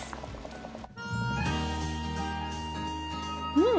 うん！